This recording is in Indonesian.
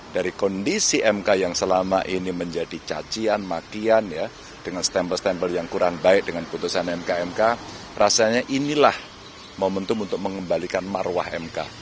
dari kondisi mk yang selama ini menjadi cacian makian ya dengan stempel stempel yang kurang baik dengan putusan mk mk rasanya inilah momentum untuk mengembalikan marwah mk